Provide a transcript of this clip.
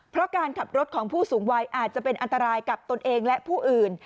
เพราะการขับรถของผู้สูงวัยอาจจะเป็นอันตรายกับตนเองและผู้อื่น